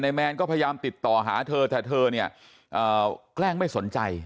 แมนก็พยายามติดต่อหาเธอแต่เธอเนี่ยแกล้งไม่สนใจ